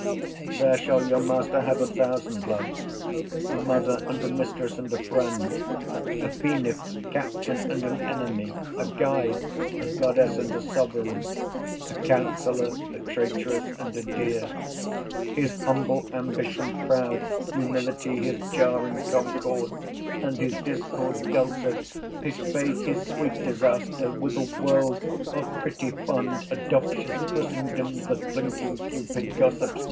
There shall your master have a thousand loves, A mother, and a mistress, and a friend, A phoenix, captain, and an enemy, A guide, a goddess, and a sovereign, A counsellor, a traitress, and a dear: His humble ambition, proud humility, His jarring concord, and his discord dulcet, His faith, his sweet disaster; with a world Of pretty, fond, adoptious christendoms That blinking Cupid gossips.